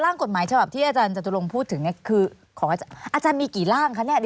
อยากถามว่ามันจะยืนเมื่อไหร่ครับ